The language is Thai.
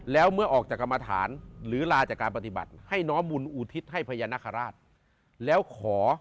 แล้วเมื่อออกจากกรรมฐานหรือลาจากการปฏิบัติให้น้อมบุญอุทิศให้พญานาคาราชแล้วขอ